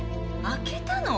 開けたの！？